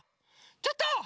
ちょっと！